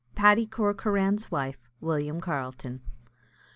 ] PADDY CORCORAN'S WIFE. William Carleton.